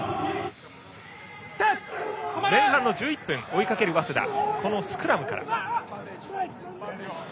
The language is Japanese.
前半の１１分、追いかける早稲田スクラムから。